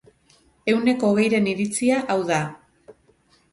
Ehuneko hogeiren iritzia hau da.